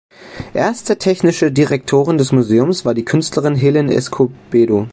Erste Technische Direktorin des Museums war die Künstlerin Helen Escobedo.